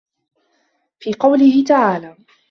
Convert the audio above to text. فِي قَوْله تَعَالَى